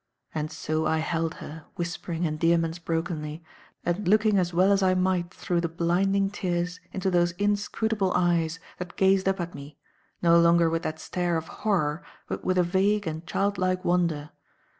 And so I held her, whispering endearments brokenly, and looking as well as I might through the blinding tears into those inscrutable eyes, that gazed up at me, no longer with that stare of horror but with a vague and childlike wonder.